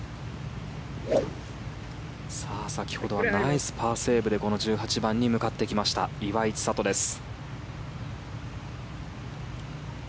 先ほどはナイスパーセーブでこの１８番に向かってきました岩井千怜です。